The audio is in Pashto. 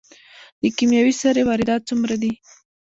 د کیمیاوي سرې واردات څومره دي؟